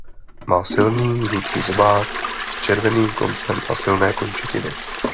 Má silný žlutý zobák s červeným koncem a silné končetiny.